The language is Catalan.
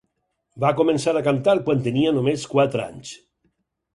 Va començar a cantar quan tenia només quatre anys.